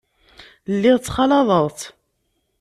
Lliɣ ttxalaḍeɣ-tt.